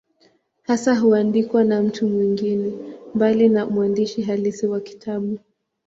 Hasa huandikwa na mtu mwingine, mbali na mwandishi halisi wa kitabu.